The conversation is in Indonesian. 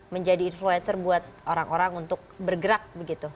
menjadi influencer buat orang orang untuk bergerak begitu